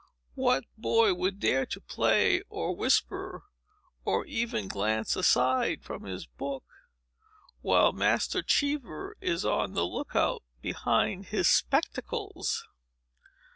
What boy would dare to play, or whisper, or even glance aside from his book, while Master Cheever is on the look out, behind his spectacles!